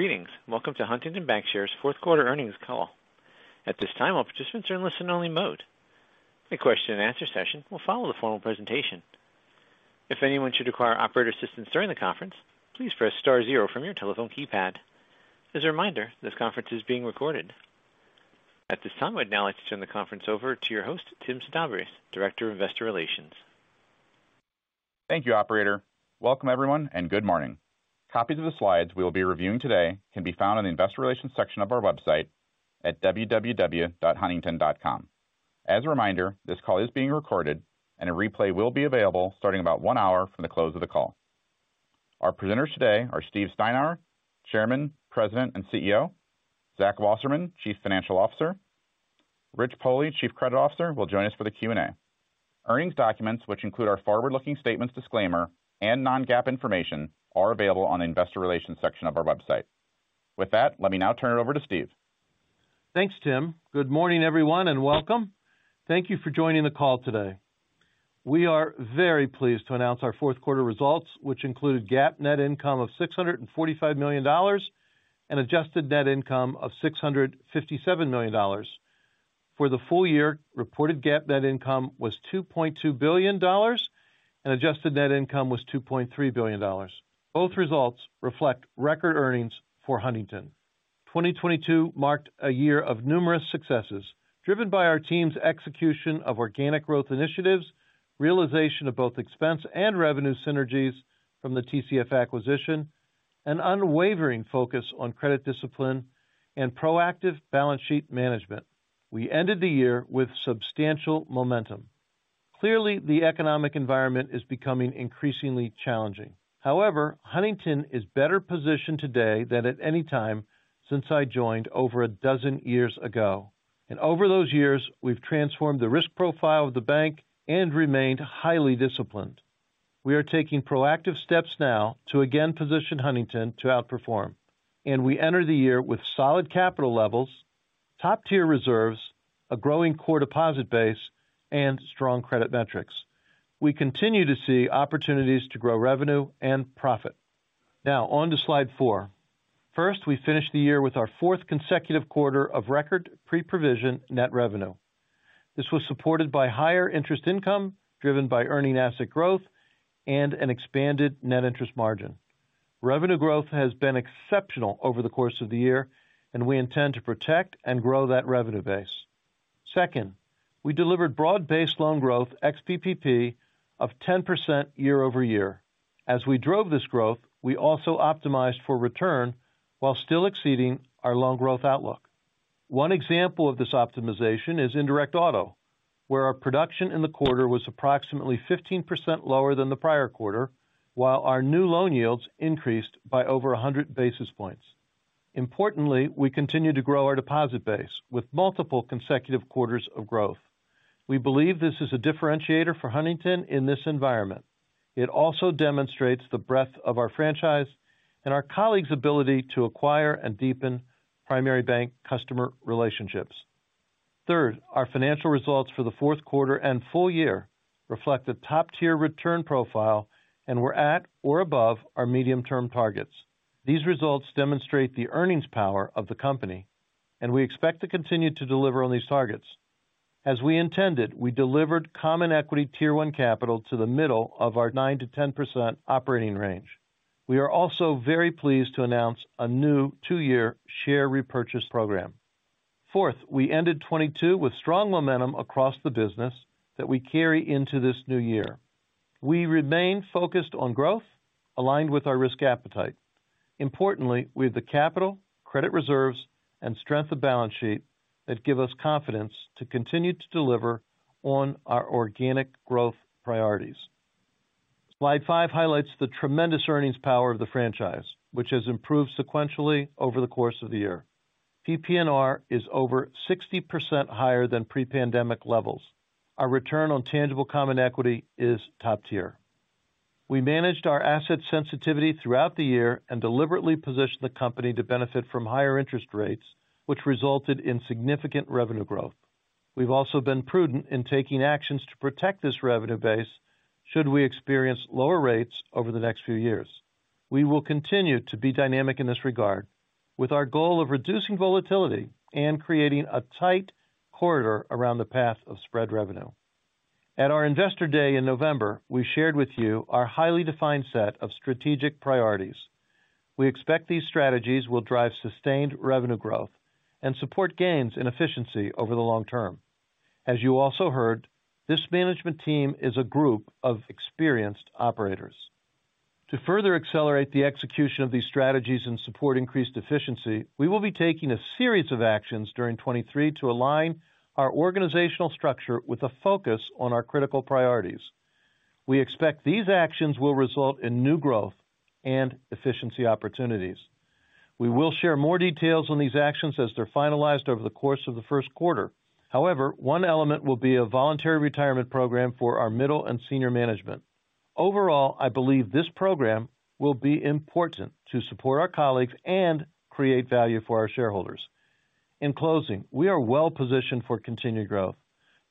Greetings. Welcome to Huntington Bancshares' fourth quarter earnings call. At this time, all participants are in listen-only mode. A question and answer session will follow the formal presentation. If anyone should require operator assistance during the conference, please press star zero from your telephone keypad. As a reminder, this conference is being recorded. At this time, I'd now like to turn the conference over to your host, Tim Sedabres, Director of Investor Relations. Thank you, operator. Welcome, everyone, and good morning. Copies of the slides we will be reviewing today can be found on the Investor Relations section of our website at www.huntington.com. As a reminder, this call is being recorded and a replay will be available starting about one hour from the close of the call. Our presenters today are Steve Steinour, Chairman, President, and CEO, Zach Wasserman, Chief Financial Officer. Rich Pohle, Chief Credit Officer, will join us for the Q&A. Earnings documents, which include our forward-looking statements disclaimer and non-GAAP information, are available on the investor relations section of our website. With that, let me now turn it over to Steve. Thanks, Tim. Good morning, everyone. Welcome. Thank you for joining the call today. We are very pleased to announce our fourth quarter results, which include GAAP net income of $645 million and adjusted net income of $657 million. For the full year, reported GAAP net income was $2.2 billion and adjusted net income was $2.3 billion. Both results reflect record earnings for Huntington. 2022 marked a year of numerous successes driven by our team's execution of organic growth initiatives, realization of both expense and revenue synergies from the TCF acquisition, and unwavering focus on credit discipline and proactive balance sheet management. We ended the year with substantial momentum. Clearly, the economic environment is becoming increasingly challenging. However, Huntington is better positioned today than at any time since I joined over 12 years ago. Over those years, we've transformed the risk profile of the bank and remained highly disciplined. We are taking proactive steps now to again position Huntington to outperform, and we enter the year with solid capital levels, top-tier reserves, a growing core deposit base, and strong credit metrics. We continue to see opportunities to grow revenue and profit. Now on to slide four. First, we finished the year with our fourth consecutive quarter of record pre-provision net revenue. This was supported by higher interest income driven by earning asset growth and an expanded net interest margin. Revenue growth has been exceptional over the course of the year and we intend to protect and grow that revenue base. Second, we delivered broad-based loan growth ex-PPP of 10% year-over-year. As we drove this growth, we also optimized for return while still exceeding our loan growth outlook. One example of this optimization is indirect auto, where our production in the quarter was approximately 15% lower than the prior quarter, while our new loan yields increased by over 100 basis points. Importantly, we continue to grow our deposit base with multiple consecutive quarters of growth. We believe this is a differentiator for Huntington in this environment. It also demonstrates the breadth of our franchise and our colleagues' ability to acquire and deepen primary bank customer relationships. Third, our financial results for the fourth quarter and full year reflect a top tier return profile and were at or above our medium-term targets. These results demonstrate the earnings power of the company. We expect to continue to deliver on these targets. As we intended, we delivered Common Equity Tier 1 capital to the middle of our 9%-10% operating range. We are also very pleased to announce a new two-year share repurchase program. Fourth, we ended 2022 with strong momentum across the business that we carry into this new year. We remain focused on growth aligned with our risk appetite. Importantly, with the capital, credit reserves, and strength of balance sheet that give us confidence to continue to deliver on our organic growth priorities. Slide five highlights the tremendous earnings power of the franchise, which has improved sequentially over the course of the year. PPNR is over 60% higher than pre-pandemic levels. Our return on tangible common equity is top tier. We managed our asset sensitivity throughout the year and deliberately positioned the company to benefit from higher interest rates, which resulted in significant revenue growth. We've also been prudent in taking actions to protect this revenue base should we experience lower rates over the next few years. We will continue to be dynamic in this regard, with our goal of reducing volatility and creating a tight corridor around the path of spread revenue. At our Investor Day in November, we shared with you our highly defined set of strategic priorities. We expect these strategies will drive sustained revenue growth and support gains in efficiency over the long term. As you also heard, this management team is a group of experienced operators. To further accelerate the execution of these strategies and support increased efficiency, we will be taking a series of actions during 2023 to align our organizational structure with a focus on our critical priorities. We expect these actions will result in new growth and efficiency opportunities. We will share more details on these actions as they're finalized over the course of the first quarter. One element will be a voluntary retirement program for our middle and senior management. Overall, I believe this program will be important to support our colleagues and create value for our shareholders. In closing, we are well positioned for continued growth.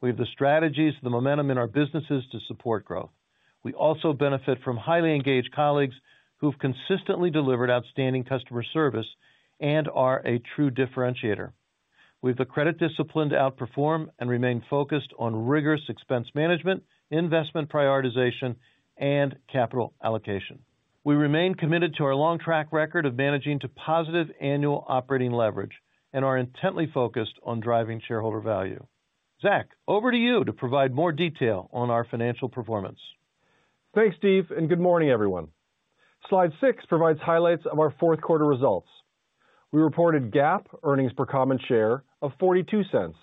We have the strategies, the momentum in our businesses to support growth. We also benefit from highly engaged colleagues who've consistently delivered outstanding customer service and are a true differentiator. With the credit discipline to outperform and remain focused on rigorous expense management, investment prioritization, and capital allocation. We remain committed to our long track record of managing to positive annual operating leverage and are intently focused on driving shareholder value. Zach, over to you to provide more detail on our financial performance. Thanks, Steve. Good morning, everyone. Slide six provides highlights of our fourth quarter results. We reported GAAP earnings per common share of $0.42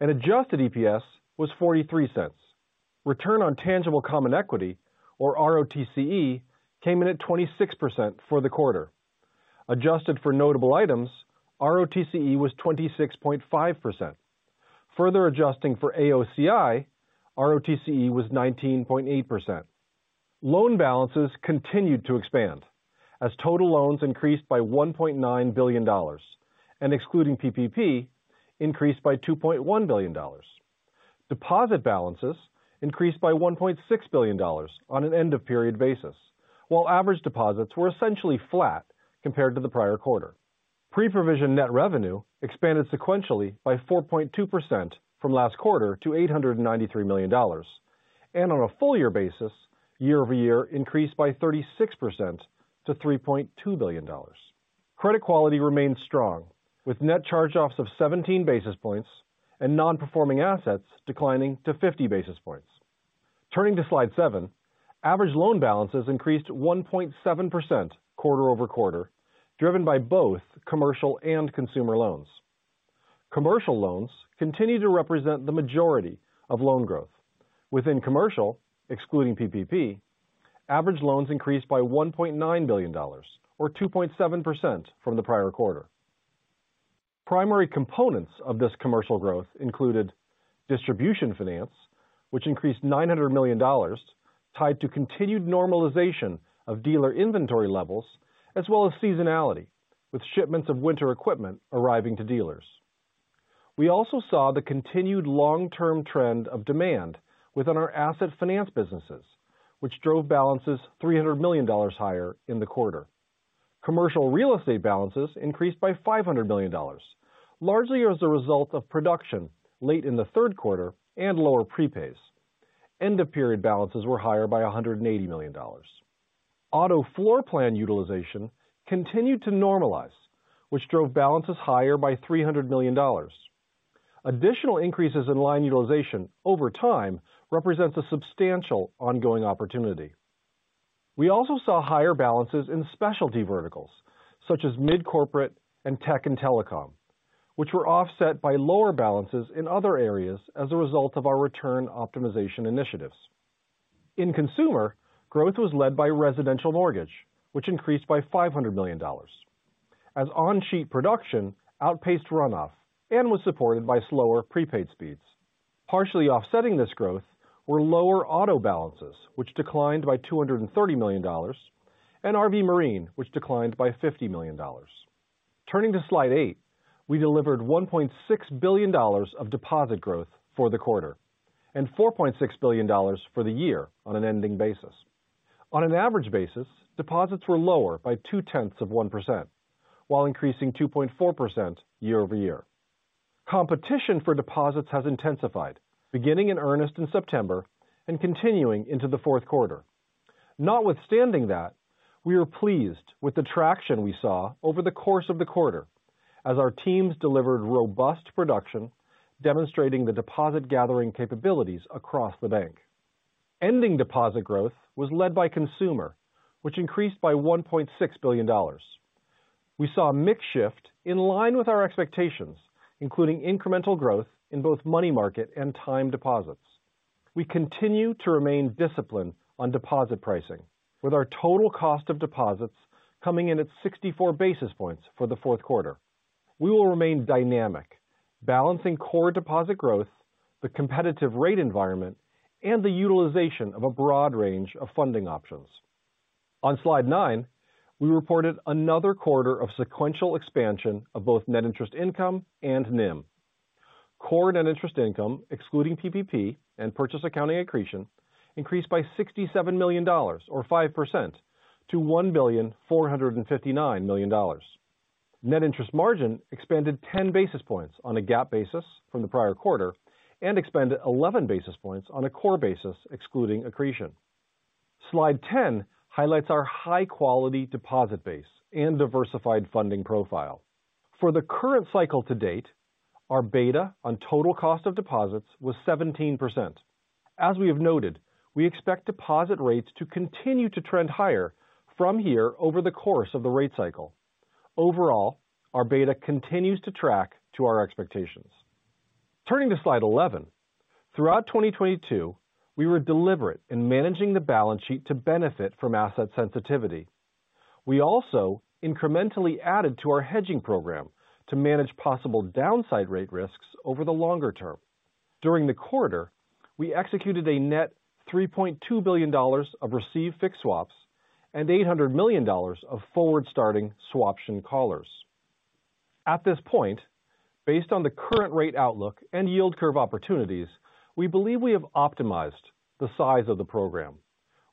and adjusted EPS was $0.43. Return on tangible common equity or ROTCE came in at 26% for the quarter. Adjusted for notable items, ROTCE was 26.5%. Further adjusting for AOCI, ROTCE was 19.8%. Loan balances continued to expand as total loans increased by $1.9 billion and excluding PPP increased by $2.1 billion. Deposit balances increased by $1.6 billion on an end of period basis. While average deposits were essentially flat compared to the prior quarter. Pre-provision net revenue expanded sequentially by 4.2% from last quarter to $893 million. On a full year basis, year-over-year increased by 36% to $3.2 billion. Credit quality remains strong, with net charge-offs of 17 basis points and non-performing assets declining to 50 basis points. Turning to slide seven. Average loan balances increased 1.7% quarter-over-quarter, driven by both commercial and consumer loans. Commercial loans continue to represent the majority of loan growth. Within commercial, excluding PPP, average loans increased by $1.9 billion or 2.7% from the prior quarter. Primary components of this commercial growth included Distribution Finance, which increased $900 million, tied to continued normalization of dealer inventory levels as well as seasonality with shipments of winter equipment arriving to dealers. We also saw the continued long-term trend of demand within our asset finance businesses, which drove balances $300 million higher in the quarter. Commercial real estate balances increased by $500 million, largely as a result of production late in the third quarter and lower prepays. End of period balances were higher by $180 million. Auto floorplan utilization continued to normalize, which drove balances higher by $300 million. Additional increases in line utilization over time represents a substantial ongoing opportunity. We also saw higher balances in specialty verticals such as mid-corporate and tech and telecom, which were offset by lower balances in other areas as a result of our return optimization initiatives. In consumer, growth was led by residential mortgage, which increased by $500 million. As on sheet production outpaced runoff and was supported by slower prepaid speeds. Partially offsetting this growth were lower auto balances, which declined by $230 million, and RV Marine, which declined by $50 million. Turning to slide eight. We delivered $1.6 billion of deposit growth for the quarter and $4.6 billion for the year on an ending basis. On an average basis, deposits were lower by 0.2%, while increasing 2.4% year-over-year. Competition for deposits has intensified beginning in earnest in September and continuing into the fourth quarter. Notwithstanding that, we are pleased with the traction we saw over the course of the quarter as our teams delivered robust production, demonstrating the deposit gathering capabilities across the bank. Ending deposit growth was led by consumer, which increased by $1.6 billion. We saw a mix shift in line with our expectations, including incremental growth in both money market and time deposits. We continue to remain disciplined on deposit pricing with our total cost of deposits coming in at 64 basis points for the fourth quarter. We will remain dynamic, balancing core deposit growth, the competitive rate environment, and the utilization of a broad range of funding options. On slide nine, we reported another quarter of sequential expansion of both net interest income and NIM. Core net interest income, excluding PPP and purchase accounting accretion, increased by $67 million or 5% to $1.459 billion. Net interest margin expanded 10 basis points on a GAAP basis from the prior quarter and expanded 11 basis points on a core basis excluding accretion. Slide 10 highlights our high-quality deposit base and diversified funding profile. For the current cycle to date, our beta on total cost of deposits was 17%. As we have noted, we expect deposit rates to continue to trend higher from here over the course of the rate cycle. Overall, our beta continues to track to our expectations. Turning to slide 11. Throughout 2022, we were deliberate in managing the balance sheet to benefit from asset sensitivity. We also incrementally added to our hedging program to manage possible downside rate risks over the longer term. During the quarter, we executed a net $3.2 billion of receive-fixed swaps. $800 million of forward starting swaption collars. At this point, based on the current rate outlook and yield curve opportunities, we believe we have optimized the size of the program.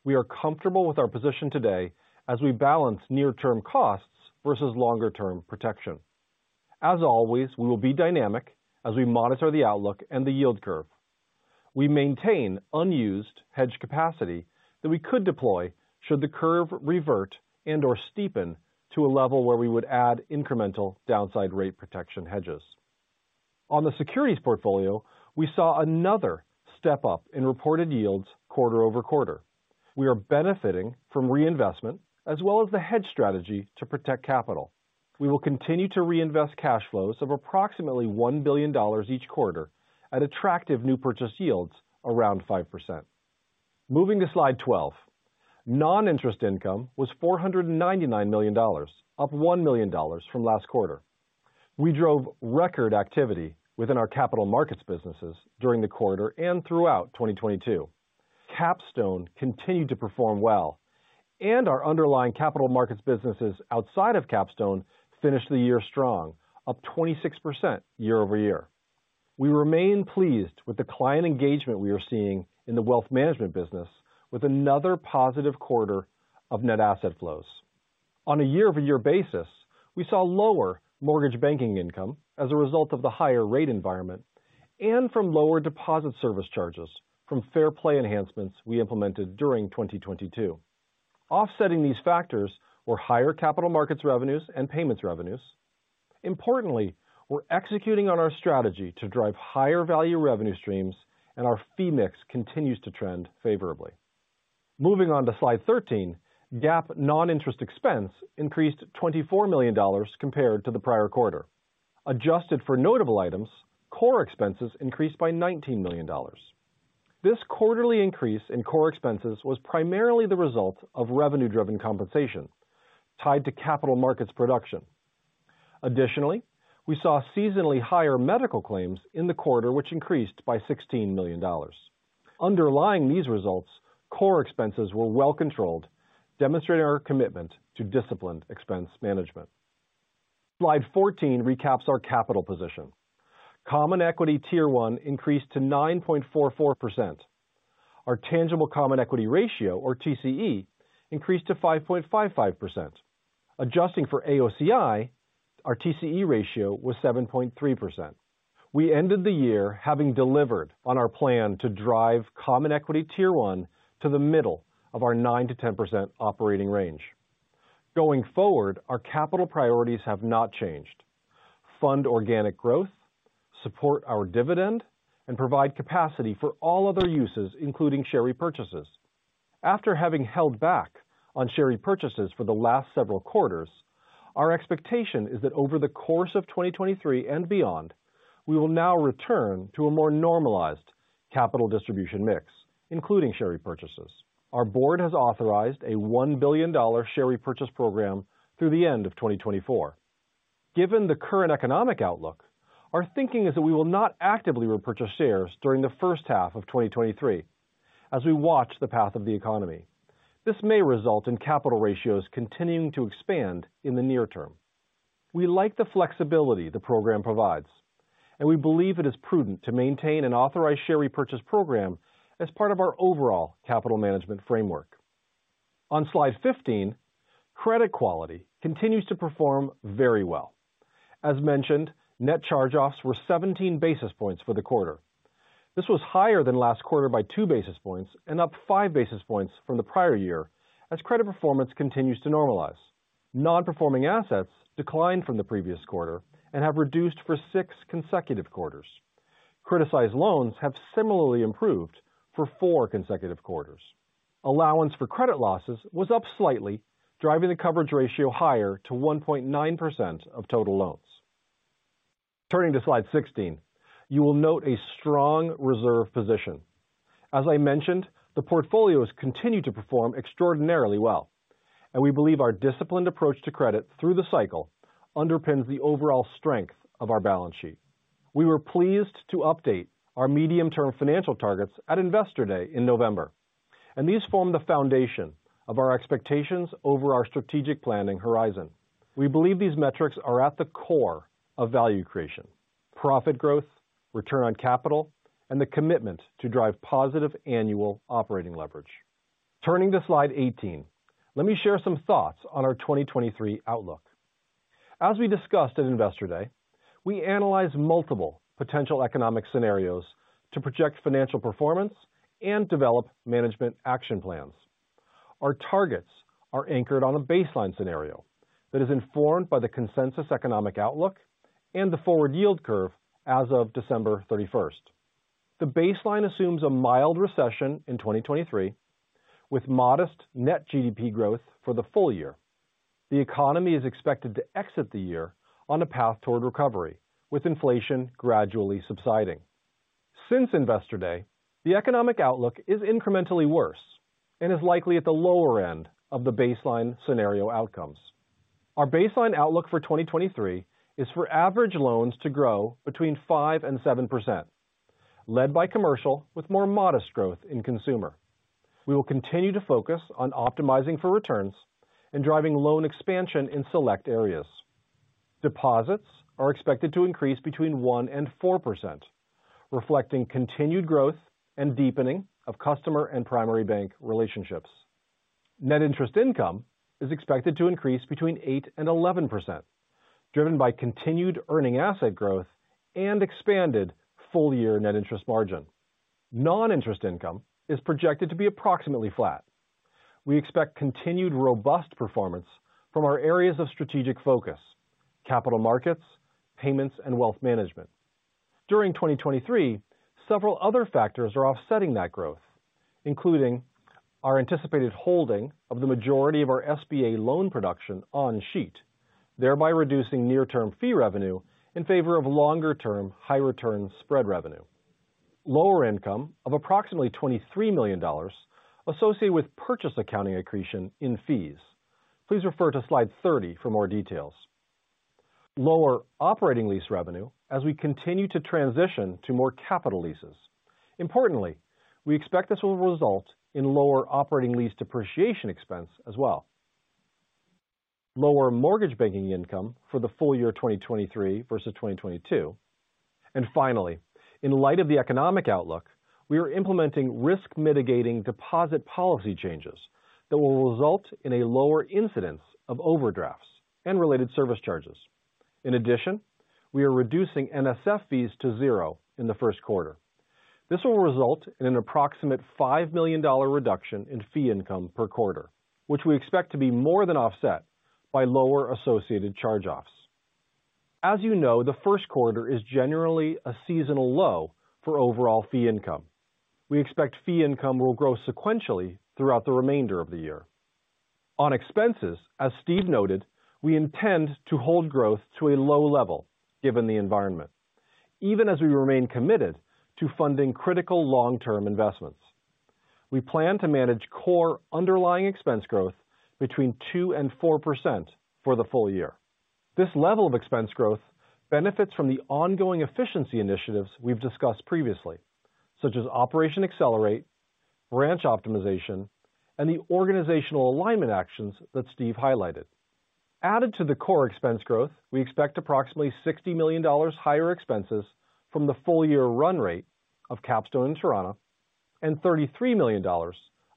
We are comfortable with our position today as we balance near-term costs versus longer-term protection. As always, we will be dynamic as we monitor the outlook and the yield curve. We maintain unused hedge capacity that we could deploy should the curve revert and/or steepen to a level where we would add incremental downside rate protection hedges. On the securities portfolio, we saw another step-up in reported yields quarter-over-quarter. We are benefiting from reinvestment as well as the hedge strategy to protect capital. We will continue to reinvest cash flows of approximately $1 billion each quarter at attractive new purchase yields around 5%. Moving to slide 12. Non-interest income was $499 million, up $1 million from last quarter. We drove record activity within our capital markets businesses during the quarter and throughout 2022. Capstone continued to perform well, and our underlying capital markets businesses outside of Capstone finished the year strong, up 26% year-over-year. We remain pleased with the client engagement we are seeing in the wealth management business with another positive quarter of net asset flows. On a year-over-year basis, we saw lower mortgage banking income as a result of the higher rate environment and from lower deposit service charges from Fair Play enhancements we implemented during 2022. Offsetting these factors were higher capital markets revenues and payments revenues. Importantly, we're executing on our strategy to drive higher value revenue streams, and our fee mix continues to trend favorably. Moving on to slide 13, GAAP non-interest expense increased $24 million compared to the prior quarter. Adjusted for notable items, core expenses increased by $19 million. This quarterly increase in core expenses was primarily the result of revenue-driven compensation tied to capital markets production. Additionally, we saw seasonally higher medical claims in the quarter, which increased by $16 million. Underlying these results, core expenses were well controlled, demonstrating our commitment to disciplined expense management. Slide 14 recaps our capital position. Common Equity Tier 1 increased to 9.44%. Our tangible common equity ratio, or TCE, increased to 5.55%. Adjusting for AOCI, our TCE ratio was 7.3%. We ended the year having delivered on our plan to drive Common Equity Tier 1 to the middle of our 9%-10% operating range. Going forward, our capital priorities have not changed. Fund organic growth, support our dividend, and provide capacity for all other uses, including share repurchases. After having held back on share repurchases for the last several quarters, our expectation is that over the course of 2023 and beyond, we will now return to a more normalized capital distribution mix, including share repurchases. Our Board has authorized a $1 billion share repurchase program through the end of 2024. Given the current economic outlook, our thinking is that we will not actively repurchase shares during the first half of 2023 as we watch the path of the economy. This may result in capital ratios continuing to expand in the near term. We like the flexibility the program provides, and we believe it is prudent to maintain an authorized share repurchase program as part of our overall capital management framework. On slide 15, credit quality continues to perform very well. As mentioned, net charge-offs were 17 basis points for the quarter. This was higher than last quarter by 2 basis points and up 5 basis points from the prior year as credit performance continues to normalize. Non-performing assets declined from the previous quarter and have reduced for six consecutive quarters. Criticized loans have similarly improved for four consecutive quarters. Allowance for credit losses was up slightly, driving the coverage ratio higher to 1.9% of total loans. Turning to slide 16, you will note a strong reserve position. As I mentioned, the portfolios continue to perform extraordinarily well, and we believe our disciplined approach to credit through the cycle underpins the overall strength of our balance sheet. We were pleased to update our medium-term financial targets at Investor Day in November. These form the foundation of our expectations over our strategic planning horizon. We believe these metrics are at the core of value creation, profit growth, return on capital, and the commitment to drive positive annual operating leverage. Turning to slide 18, let me share some thoughts on our 2023 outlook. As we discussed at Investor Day, we analyze multiple potential economic scenarios to project financial performance and develop management action plans. Our targets are anchored on a baseline scenario that is informed by the consensus economic outlook and the forward yield curve as of December 31st. The baseline assumes a mild recession in 2023 with modest net GDP growth for the full year. The economy is expected to exit the year on a path toward recovery, with inflation gradually subsiding. Since Investor Day, the economic outlook is incrementally worse and is likely at the lower end of the baseline scenario outcomes. Our baseline outlook for 2023 is for average loans to grow between 5% and 7%. Led by commercial with more modest growth in consumer. We will continue to focus on optimizing for returns and driving loan expansion in select areas. Deposits are expected to increase between 1% and 4%, reflecting continued growth and deepening of customer and primary bank relationships. Net interest income is expected to increase between 8% and 11%, driven by continued earning asset growth and expanded full-year net interest margin. Non-interest income is projected to be approximately flat. We expect continued robust performance from our areas of strategic focus, capital markets, payments, and wealth management. During 2023, several other factors are offsetting that growth, including our anticipated holding of the majority of our SBA loan production on sheet, thereby reducing near-term fee revenue in favor of longer-term, high return spread revenue. Lower income of approximately $23 million associated with purchase accounting accretion in fees. Please refer to slide 30 for more details. Lower operating lease revenue as we continue to transition to more capital leases. Importantly, we expect this will result in lower operating lease depreciation expense as well. Lower mortgage banking income for the full year 2023 versus 2022. Finally, in light of the economic outlook, we are implementing risk mitigating deposit policy changes that will result in a lower incidence of overdrafts and related service charges. In addition, we are reducing NSF fees to $0 in the first quarter. This will result in an approximate $5 million reduction in fee income per quarter, which we expect to be more than offset by lower associated charge-offs. As you know, the first quarter is generally a seasonal low for overall fee income. We expect fee income will grow sequentially throughout the remainder of the year. On expenses, as Steve noted, we intend to hold growth to a low level given the environment, even as we remain committed to funding critical long-term investments. We plan to manage core underlying expense growth between 2% and 4% for the full year. This level of expense growth benefits from the ongoing efficiency initiatives we've discussed previously, such as Operation Accelerate, branch optimization, and the organizational alignment actions that Steve highlighted. Added to the core expense growth, we expect approximately $60 million higher expenses from the full-year run rate of Capstone and Torana, and $33 million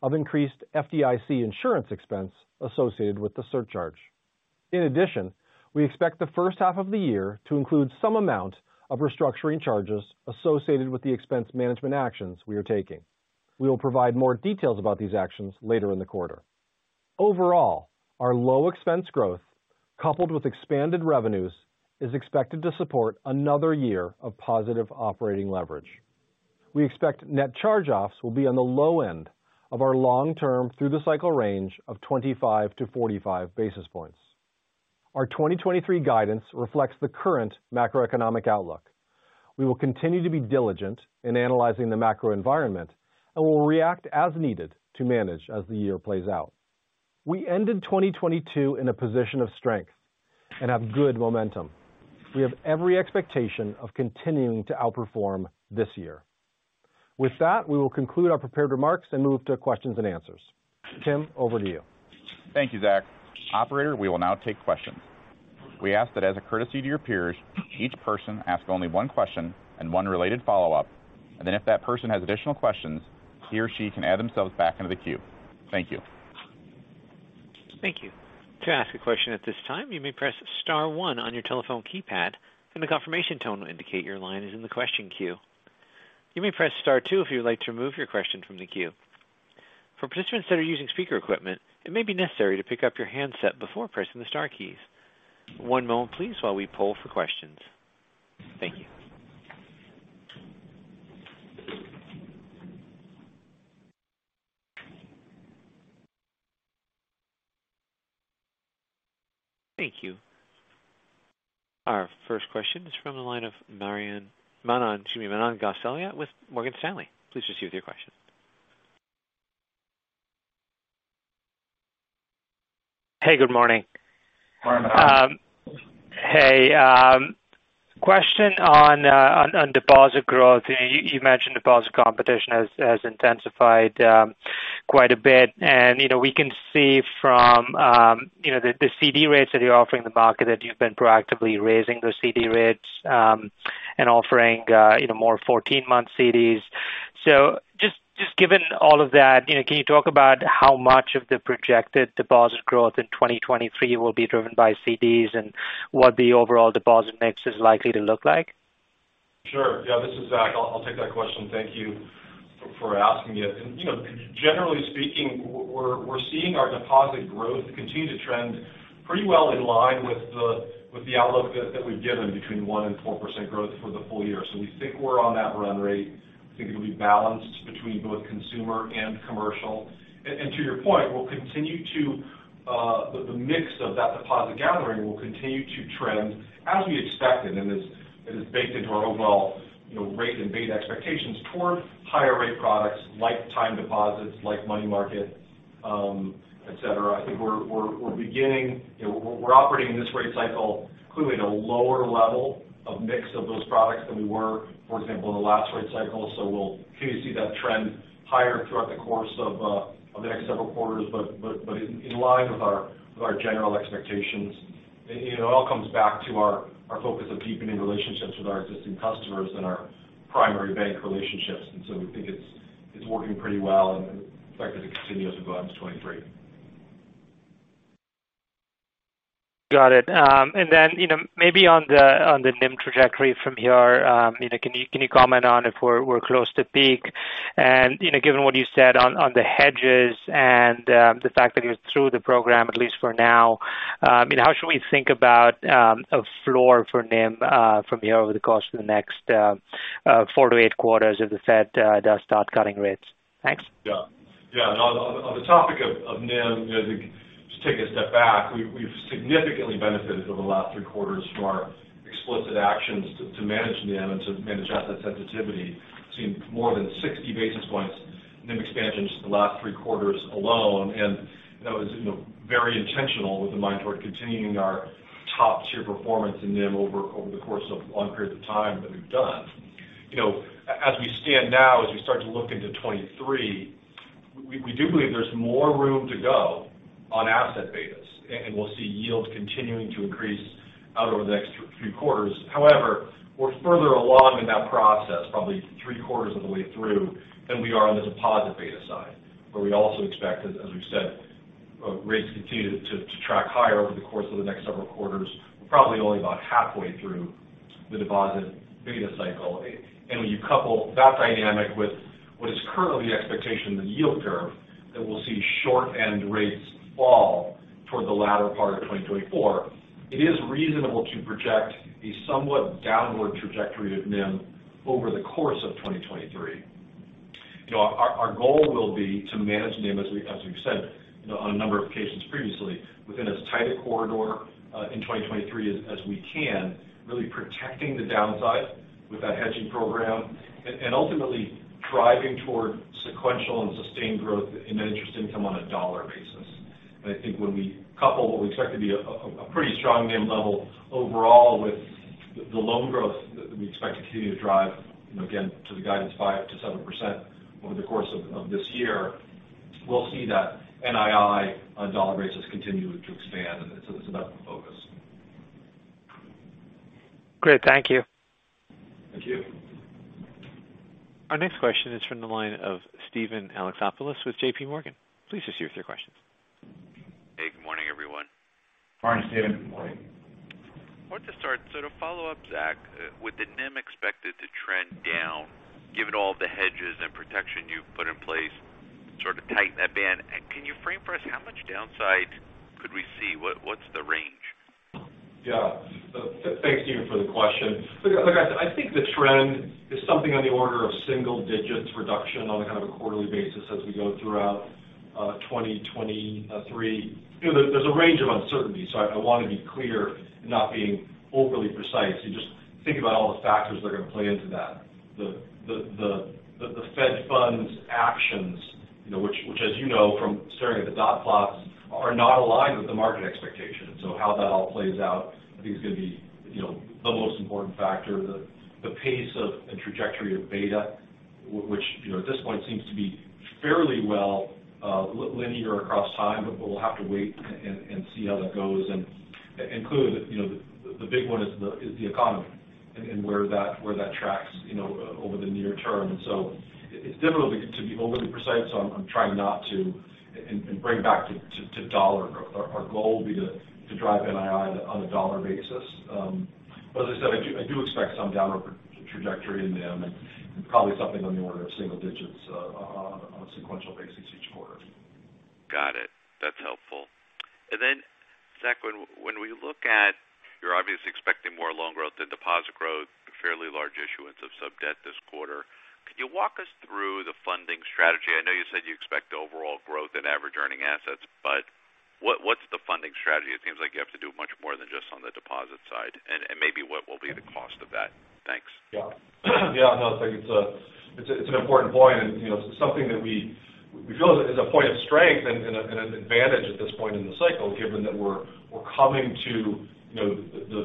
of increased FDIC insurance expense associated with the surcharge. We expect the first half of the year to include some amount of restructuring charges associated with the expense management actions we are taking. We will provide more details about these actions later in the quarter. Overall, our low expense growth, coupled with expanded revenues, is expected to support another year of positive operating leverage. We expect net charge-offs will be on the low end of our long-term through-the-cycle range of 25 basis points-45 basis points. Our 2023 guidance reflects the current macroeconomic outlook. We will continue to be diligent in analyzing the macro environment and will react as needed to manage as the year plays out. We ended 2022 in a position of strength and have good momentum. We have every expectation of continuing to outperform this year. With that, we will conclude our prepared remarks and move to questions and answers. Tim, over to you. Thank you, Zach. Operator, we will now take questions. We ask that as a courtesy to your peers, each person ask only one question and one related follow-up. If that person has additional questions, he or she can add themselves back into the queue. Thank you. Thank you. To ask a question at this time, you may press star one on your telephone keypad, and a confirmation tone will indicate your line is in the question queue. You may press star two if you would like to remove your question from the queue. For participants that are using speaker equipment, it may be necessary to pick up your handset before pressing the star keys. One moment please while we poll for questions. Thank you. Thank you. Our first question is from the line of Manan Gosalia with Morgan Stanley. Please proceed with your question. Hey, good morning. Good morning. Hey, question on deposit growth. You mentioned deposit competition has intensified, quite a bit. You know, we can see from, you know, the CD rates that you're offering the market that you've been proactively raising those CD rates, and offering, you know, more 14-month CDs. Just given all of that, you know, can you talk about how much of the projected deposit growth in 2023 will be driven by CDs and what the overall deposit mix is likely to look like? Sure. Yeah, this is Zach. I'll take that question. Thank you for asking it. You know, generally speaking, we're seeing our deposit growth continue to trend pretty well in line with the outlook that we've given between 1% and 4% growth for the full year. We think we're on that run rate. I think it'll be balanced between both consumer and commercial. And to your point, we'll continue to the mix of that deposit gathering will continue to trend as we expected, and is baked into our overall, you know, rate and beta expectations toward higher rate products like time deposits, like money market, et cetera. I think we're beginning. You know, we're operating this rate cycle clearly at a lower level of mix of those products than we were, for example, in the last rate cycle. We'll continue to see that trend higher throughout the course of the next several quarters. In line with our general expectations, you know, it all comes back to our focus of deepening relationships with our existing customers and our primary bank relationships. We think it's working pretty well and expect it to continue as we go out into 2023. Got it. Then, you know, maybe on the NIM trajectory from here, you know, can you comment on if we're close to peak? You know, given what you said on the hedges and the fact that you're through the program, at least for now, you know, how should we think about a floor for NIM from here over the course of the next four to eight quarters if the Fed does start cutting rates? Thanks. Yeah. Yeah. No, on the topic of NIM, you know, to take a step back, we've significantly benefited over the last three quarters from our explicit actions to manage NIM and to manage asset sensitivity. We've seen more than 60 basis points NIM expansion just in the last three quarters alone. That was, you know, very intentional with the mind toward continuing our top-tier performance in NIM over the course of long periods of time that we've done. You know, as we stand now, as we start to look into 2023, we do believe there's more room to go on asset betas, and we'll see yields continuing to increase out over the next few quarters. We're further along in that process, probably 3/4 of the way through, than we are on the deposit beta side, where we also expect as we've said rates to continue to track higher over the course of the next several quarters. We're probably only about halfway through the deposit beta cycle. When you couple that dynamic with what is currently expectation in the yield curve that we'll see short end rates fall toward the latter part of 2024, it is reasonable to project a somewhat downward trajectory of NIM over the course of 2023. You know, our goal will be to manage NIM, as we've said. You know, on a number of occasions previously within as tight a corridor in 2023 as we can, really protecting the downside with that hedging program and ultimately driving toward sequential and sustained growth in net interest income on a dollar basis. I think when we couple what we expect to be a pretty strong NIM level overall with the loan growth that we expect to continue to drive, you know, again, to the guidance 5%-7% over the course of this year. We'll see that NII on a dollar basis continue to expand. It's about the focus. Great. Thank you. Thank you. Our next question is from the line of Steven Alexopoulos with JPMorgan. Please proceed with your questions. Hey, good morning, everyone. Morning, Steven. Good morning. I want to start. To follow up, Zach, with the NIM expected to trend down, given all the hedges and protection you've put in place, sort of tighten that band, and can you frame for us how much downside could we see? What's the range? Yeah. Thanks, Steven, for the question. Look, I think the trend is something on the order of single digits reduction on a kind of a quarterly basis as we go throughout 2023. You know, there's a range of uncertainty. I want to be clear not being overly precise. You just think about all the factors that are going to play into that. The Fed funds actions, you know, which as you know from staring at the dot plots, are not aligned with the market expectations. How that all plays out, I think, is going to be, you know, the most important factor. The pace of and trajectory of beta, which, you know, at this point seems to be fairly well linear across time, we'll have to wait and see how that goes. Including the, you know, the big one is the economy and where that tracks, you know, over the near term. It's difficult to be overly precise. I'm trying not to and bring back to dollar, our goal will be to drive NII on a dollar basis. As I said, I do expect some downward trajectory in NIM and probably something on the order of single digits on a sequential basis each quarter. Got it. That's helpful. Then, Zach, when we look at you're obviously expecting more loan growth than deposit growth, fairly large issuance of subdebt this quarter. Could you walk us through the funding strategy? I know you said you expect overall growth in average earning assets, what's the funding strategy? It seems like you have to do much more than just on the deposit side and maybe what will be the cost of that? Thanks. Yeah. Yeah, it's like, it's an important point. You know, something that we feel is a point of strength and an advantage at this point in the cycle, given that we're coming to, you know,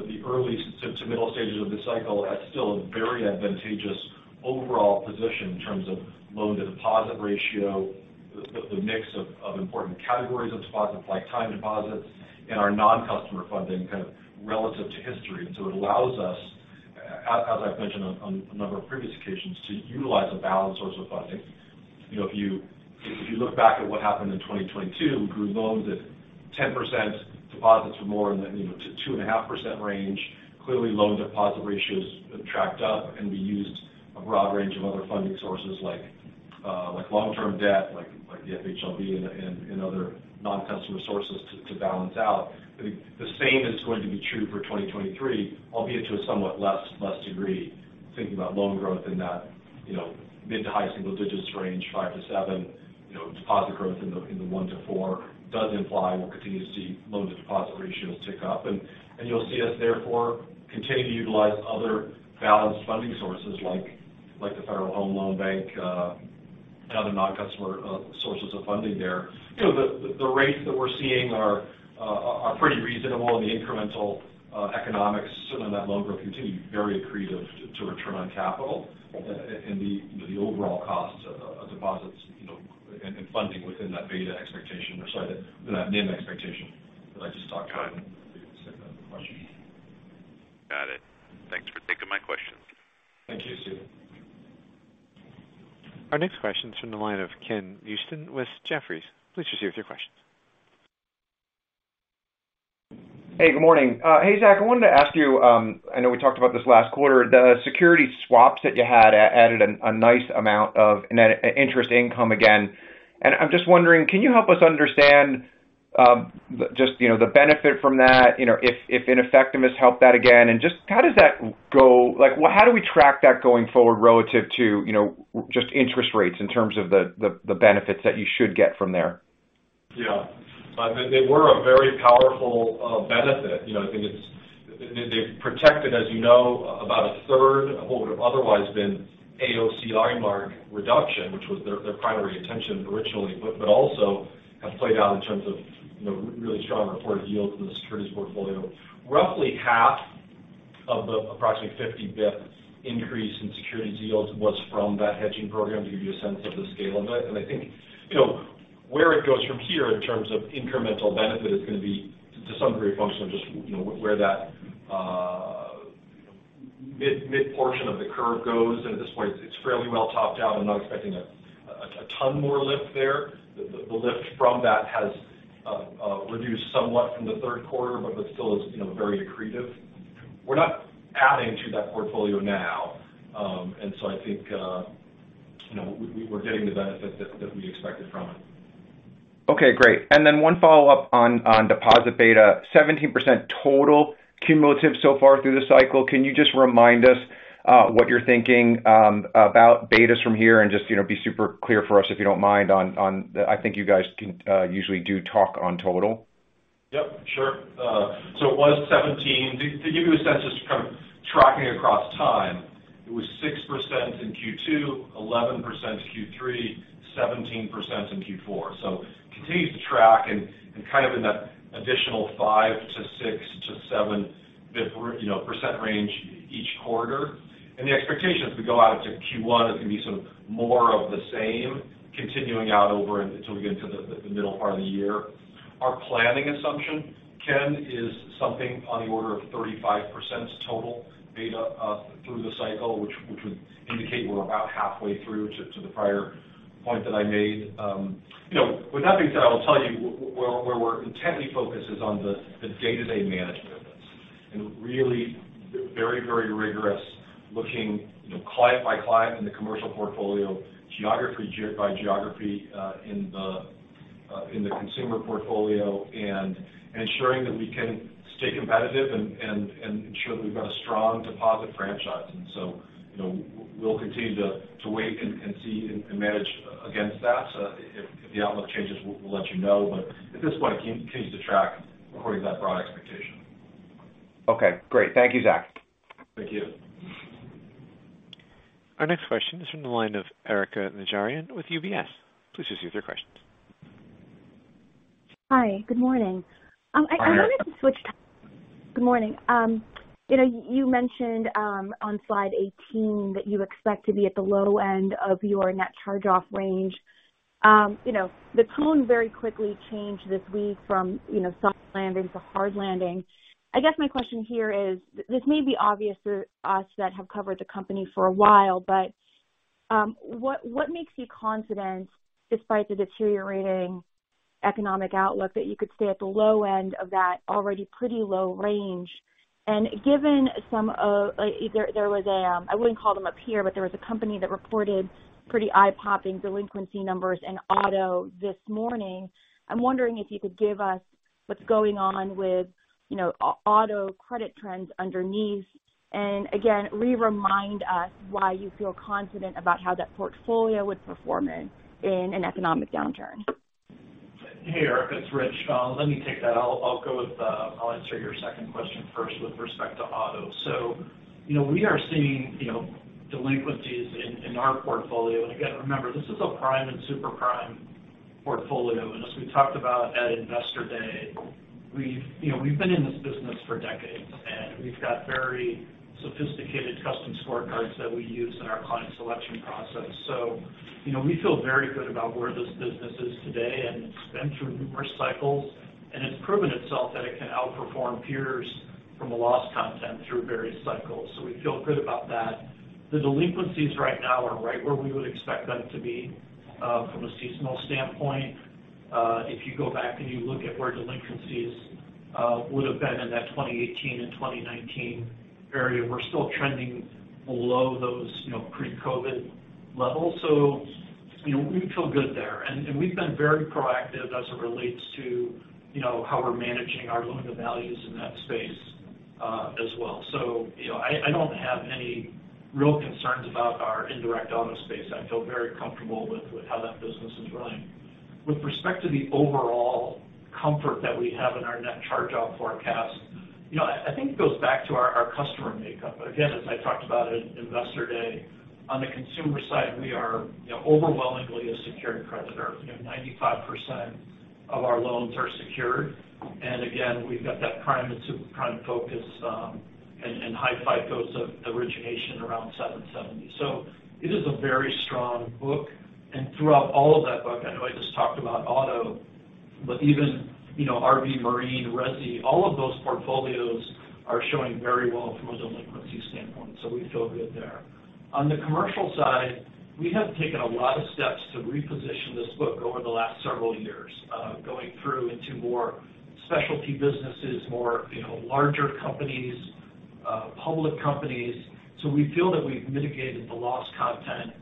the early to middle stages of this cycle at still a very advantageous overall position in terms of loan-to-deposit ratio, the mix of important categories of deposits like time deposits and our non-customer funding kind of relative to history. It allows us, as I've mentioned on a number of previous occasions, to utilize a balanced source of funding. You know, if you look back at what happened in 2022, we grew loans at 10%. Deposits were more in the, you know, 2.5% range. Clearly, loan deposit ratios tracked up and we used a broad range of other funding sources like long-term debt, like the FHLB and other non-customer sources to balance out. The same is going to be true for 2023, albeit to a somewhat less degree. Thinking about loan growth in that, you know, mid to high single digits range, 5%-7%. You know, deposit growth in the 1%-4% does imply we'll continue to see loan-to-deposit ratios tick up. You'll see us therefore continue to utilize other balanced funding sources like the Federal Home Loan Bank and other non-customer sources of funding there. You know, the rates that we're seeing are pretty reasonable, and the incremental economics on that loan growth continue to be very accretive to return on capital. The, you know, the overall costs of deposits, you know, and funding within that beta expectation or, sorry, that NIM expectation that I just talked about- Got it.... in the second question. Got it. Thanks for taking my questions. Thank you, Steven. Our next question is from the line of Ken Usdin with Jefferies. Please proceed with your question. Hey, good morning. Hey, Zach, I wanted to ask you, I know we talked about this last quarter. The security swaps that you had added a nice amount of net interest income again. I'm just wondering, can you help us understand, just, you know, the benefit from that, you know, if ineffectiveness helped that again, and just how does that go? Like, how do we track that going forward relative to, you know, just interest rates in terms of the benefits that you should get from there? Yeah. They were a very powerful benefit. You know, I think. They protected, as you know, about 1/3 of what would have otherwise been AOCI line mark reduction, which was their primary intention originally, but also have played out in terms of, you know, really strong reported yields in the securities portfolio. Roughly half of the approximately 50 basis points increase in securities yields was from that hedging program to give you a sense of the scale of it. I think, you know, where it goes from here in terms of incremental benefit is going to be to some degree a function of just, you know, where that mid-portion of the curve goes. At this point, it's fairly well topped out. I'm not expecting a ton more lift there. The lift from that has reduced somewhat from the third quarter, it still is, you know, very accretive. We're not adding to that portfolio now. I think, you know, we're getting the benefit that we expected from it. Okay, great. Then one follow-up on deposit beta. 17% total cumulative so far through the cycle. Can you just remind us, what you're thinking, about betas from here? Just, you know, be super clear for us, if you don't mind, on, usually do talk on total. Yep, sure. So it was 17%. To give you a sense of just kind of tracking across time, it was 6% in Q2, 11% Q3, 17% in Q4. Continues to track and kind of in that additional 5%-6%-7% range each quarter. The expectation as we go out into Q1 is going to be some more of the same continuing out over until we get into the middle part of the year. Our planning assumption, Ken, is something on the order of 35% total beta through the cycle, which would indicate we're about halfway through to the prior point that I made. You know, with that being said, I will tell you where we're intently focused is on the day-to-day management of this. Really very, very rigorous looking, you know, client by client in the commercial portfolio, geography by geography, in the consumer portfolio, and ensuring that we can stay competitive and ensure that we've got a strong deposit franchise. You know, we'll continue to wait and see and manage against that. If the outlook changes, we'll let you know. At this point, it continues to track according to that broad expectation. Okay, great. Thank you, Zach. Thank you. Our next question is from the line of Erika Najarian with UBS. Please proceed with your questions. Hi, good morning. Hi. I wanted to switch topics. Good morning. You know, you mentioned on slide 18 that you expect to be at the low end of your net charge-off range. You know, the tone very quickly changed this week from, you know, soft landing to hard landing. I guess my question here is, this may be obvious to us that have covered the company for a while, but what makes you confident despite the deteriorating economic outlook that you could stay at the low end of that already pretty low range? Given some of, there was a, I wouldn't call them up here, but there was a company that reported pretty eye-popping delinquency numbers in auto this morning. I'm wondering if you could give us what's going on with, you know, auto credit trends underneath. Again, remind us why you feel confident about how that portfolio would perform in an economic downturn? Hey, Erika, it's Rich. Let me take that. I'll answer your second question first with respect to auto. You know, we are seeing, you know, delinquencies in our portfolio. Again, remember, this is a prime and super-prime portfolio. As we talked about at Investor Day, we've, you know, we've been in this business for decades. We've got very sophisticated custom scorecards that we use in our client selection process. You know, we feel very good about where this business is today. It's been through numerous cycles. It's proven itself that it can outperform peers from a loss content through various cycles. We feel good about that. The delinquencies right now are right where we would expect them to be from a seasonal standpoint. If you go back and you look at where delinquencies would have been in that 2018 and 2019 area, we're still trending below those, you know, pre-COVID levels. We feel good there. We've been very proactive as it relates to, you know, how we're managing our loan-to-values in that space as well. I don't have any real concerns about our indirect auto space. I feel very comfortable with how that business is running. With respect to the overall comfort that we have in our net charge-off forecast, I think it goes back to our customer makeup. Again, as I talked about at Investor Day, on the consumer side, we are, you know, overwhelmingly a secured creditor. You know, 95% of our loans are secured. Again, we've got that prime and super-prime focus, and high FICO origination around 770. It is a very strong book. Throughout all of that book, I know I just talked about auto, but even, you know, RV, marine, resi, all of those portfolios are showing very well from a delinquency standpoint. We feel good there. On the commercial side, we have taken a lot of steps to reposition this book over the last several years, going through into more specialty businesses, more, you know, larger companies, public companies. We feel that we've mitigated the loss content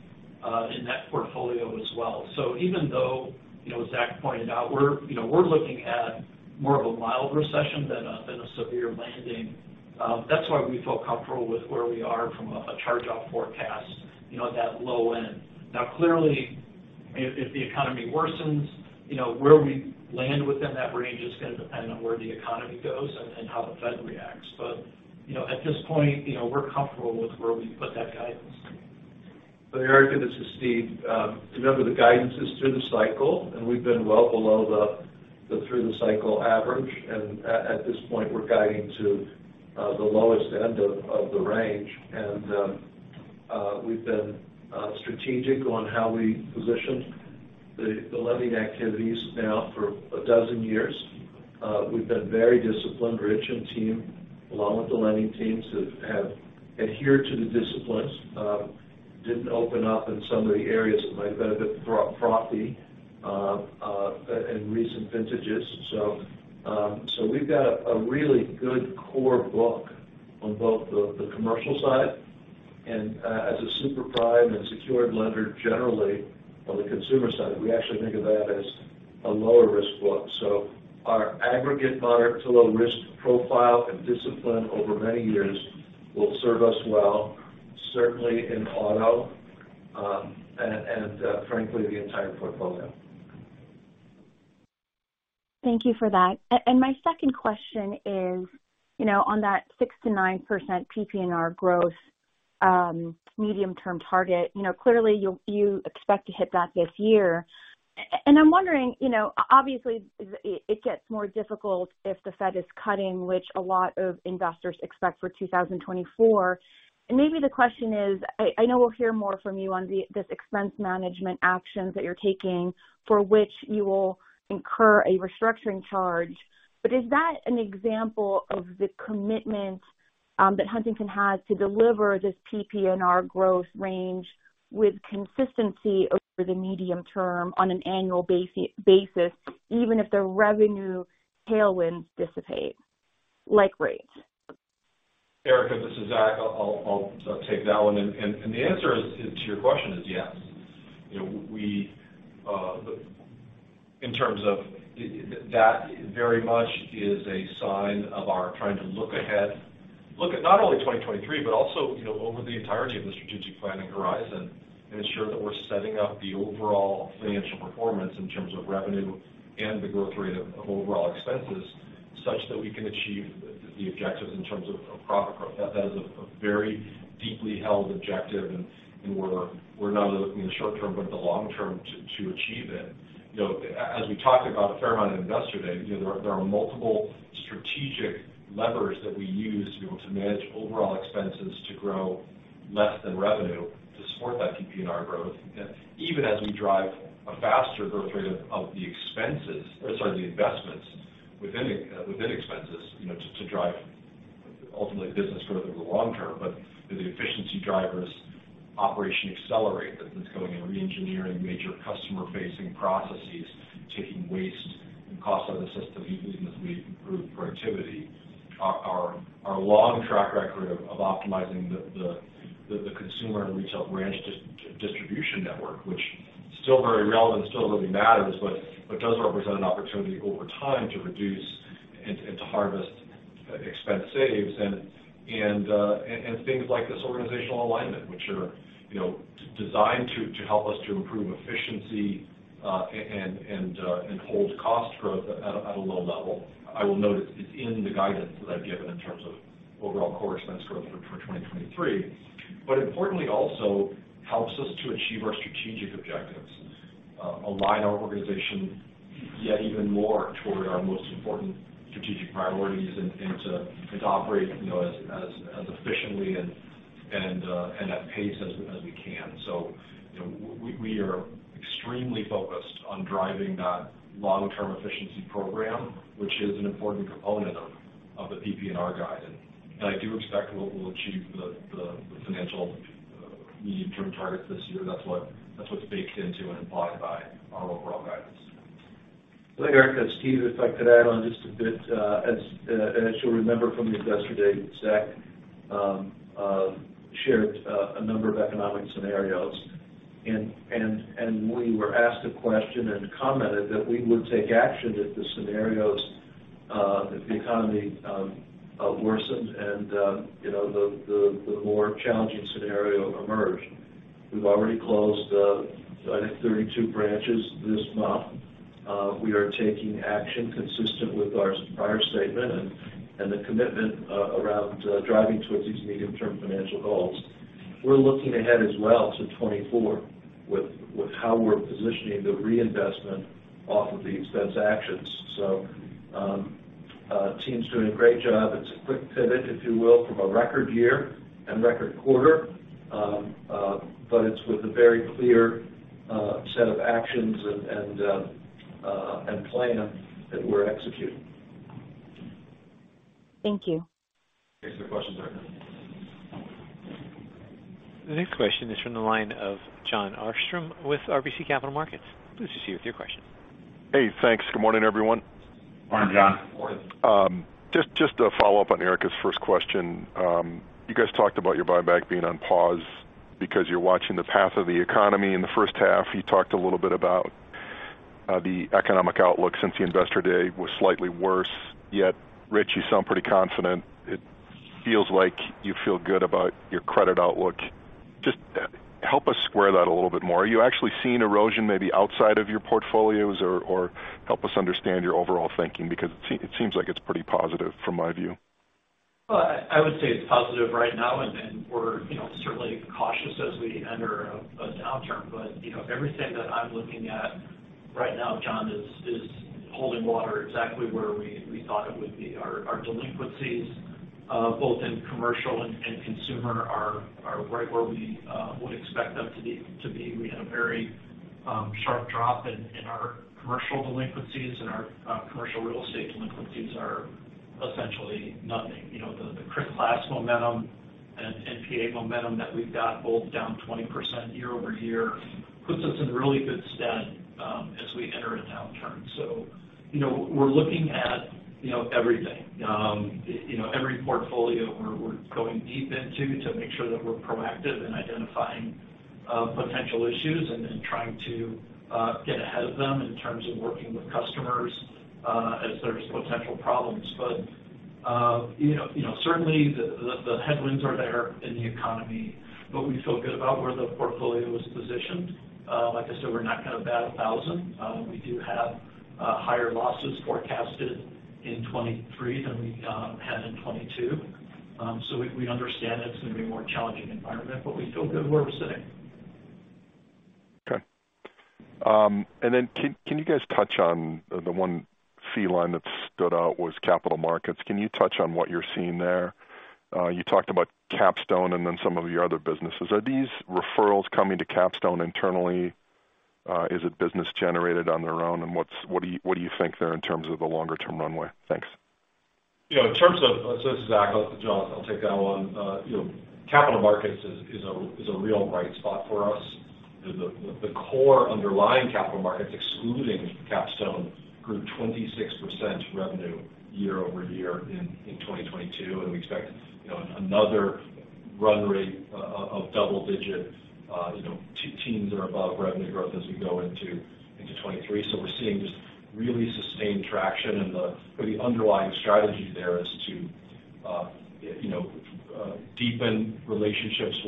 in that portfolio as well. Even though, you know, as Zach pointed out, we're, you know, we're looking at more of a mild recession than a severe landing, that's why we feel comfortable with where we are from a charge-off forecast, you know, at that low end. Clearly, if the economy worsens, you know, where we land within that range is gonna depend on where the economy goes and how the Fed reacts. You know, at this point, you know, we're comfortable with where we've put that guidance. Erika, this is Steve. Remember the guidance is through the cycle. We've been well below the through the cycle average. At this point, we're guiding to the lowest end of the range. We've been strategic on how we position the lending activities now for 12 years. We've been very disciplined. Rich and team, along with the lending teams have adhered to the disciplines. Didn't open up in some of the areas that might benefit pro-profit in recent vintages. We've got a really good core book on both the commercial side and as a super-prime and secured lender generally on the consumer side. We actually think of that as a lower risk book. Our aggregate moderate to low risk profile and discipline over many years will serve us well, certainly in auto, and frankly, the entire portfolio. Thank you for that. My second question is, you know, on that 6%-9% PPNR growth, medium-term target, you know, clearly you expect to hit that this year. I'm wondering, you know, obviously, it gets more difficult if the Fed is cutting, which a lot of investors expect for 2024. Maybe the question is, I know we'll hear more from you on this expense management actions that you're taking for which you will incur a restructuring charge. Is that an example of the commitment that Huntington has to deliver this PPNR growth range with consistency over the medium term on an annual basis, even if the revenue tailwinds dissipate, like rates? Erika, this is Zach. I'll take that one. The answer to your question is yes. You know, we, in terms of that very much is a sign of our trying to look ahead, look at not only 2023 but also, you know, over the entirety of the strategic planning horizon and ensure that we're setting up the overall financial performance in terms of revenue and the growth rate of overall expenses such that we can achieve the objectives in terms of profit growth. That is a very deeply held objective, and we're not only looking in the short term but the long term to achieve it. You know, as we talked about a fair amount at Investor Day, you know, there are multiple strategic levers that we use, you know, to manage overall expenses to grow less than revenue to support that PPNR growth, even as we drive a faster growth rate of the expenses or sorry, the investments within expenses, you know, to drive ultimately business growth over the long term. The efficiency drivers, Operation Accelerate that's going and reengineering major customer-facing processes, taking waste and cost out of the system, even as we improve productivity. Our long track record of optimizing the consumer and retail branch distribution network, which still very relevant, still really matters, but does represent an opportunity over time to reduce and to harvest expense saves and things like this organizational alignment, which are, you know, designed to help us to improve efficiency and hold cost growth at a low level. I will note it's in the guidance that I've given in terms of overall core expense growth for 2023. Importantly also helps us to achieve our strategic objectives, align our organization yet even more toward our most important strategic priorities and to operate, you know, as efficiently and at pace as we can. You know, we are extremely focused on driving that long-term efficiency program, which is an important component of the PPNR guidance. I do expect we'll achieve the financial medium-term targets this year. That's what's baked into and implied by our overall guidance. Erika, it's Steve. If I could add on just a bit. As, as you'll remember from the Investor Day, Zach shared a number of economic scenarios. We were asked a question and commented that we would take action if the scenarios if the economy worsens and, you know, the more challenging scenario emerged. We've already closed, I think 32 branches this month. We are taking action consistent with our prior statement and the commitment around driving towards these medium-term financial goals. We're looking ahead as well to 2024 with how we're positioning the reinvestment off of these expense actions. Team's doing a great job. It's a quick pivot, if you will, from a record year and record quarter. It's with a very clear set of actions and plan that we're executing. Thank you. Thanks for the question, Erika. The next question is from the line of Jon Arfstrom with RBC Capital Markets. Please proceed with your question. Hey, thanks. Good morning, everyone. Morning, Jon. Morning. Just to follow up on Erika's first question. You guys talked about your buyback being on pause because you're watching the path of the economy. In the first half, you talked a little bit about the economic outlook since the Investor Day was slightly worse. Rich, you sound pretty confident. It feels like you feel good about your credit outlook. Just help us square that a little bit more. Are you actually seeing erosion maybe outside of your portfolios or help us understand your overall thinking? It seems like it's pretty positive from my view. I would say it's positive right now, and then we're, you know, certainly cautious as we enter a downturn. You know, everything that I'm looking at right now, Jon, is holding water exactly where we thought it would be. Our delinquencies, both in commercial and consumer are right where we would expect them to be. We had a very sharp drop in our commercial delinquencies, and our commercial real estate delinquencies are essentially nothing. You know, the [criticized-class] momentum and NPA momentum that we've got both down 20% year-over-year puts us in really good stead as we enter a downturn. You know, we're looking at, you know, everything. You know, every portfolio we're going deep into to make sure that we're proactive in identifying potential issues and trying to get ahead of them in terms of working with customers as there's potential problems. You know, certainly the headwinds are there in the economy, but we feel good about where the portfolio is positioned. Like I said, we're not going to bat a thousand. We do have higher losses forecasted in 2023 than we had in 2022. We understand it's going to be a more challenging environment, but we feel good where we're sitting. Okay. Then can you guys touch on the one C-line that stood out was capital markets? Can you touch on what you're seeing there? You talked about Capstone and then some of your other businesses. Are these referrals coming to Capstone internally? Is it business generated on their own? What do you think there in terms of the longer term runway? Thanks. You know, in terms of... So this is Zach. Jon, I'll take that one. You know, capital markets is a real bright spot for us. The core underlying capital markets, excluding Capstone, grew 26% revenue year-over-year in 2022. We expect, you know, another run rate of double digit, you know, teens or above revenue growth as we go into 2023. We're seeing just really sustained traction. The underlying strategy there is to, you know, deepen relationships